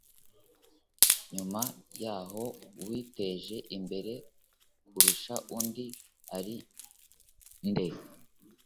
nyuma yaho uwiteje imbere kurusha undi ari nde